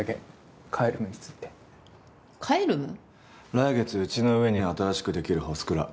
来月うちの上に新しく出来るホスクラ。